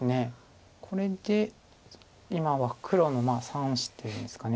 これで今は黒の３子というんですか。